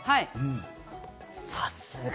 さすが。